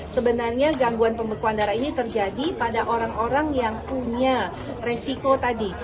sebenarnya gangguan pembekuan darah ini terjadi pada orang orang yang punya resiko tadi